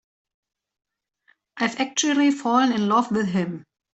I've actually fallen in love with him.